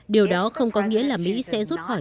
điều đó không có nghĩa là mỹ sẽ rút khỏi